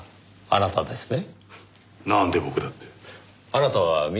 あなたですね。